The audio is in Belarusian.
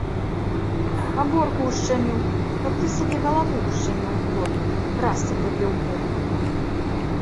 Аборку ўшчаміў, каб ты сабе галаву ўшчаміў у плот, трасца табе ў бок!